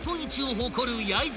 誇る焼津港］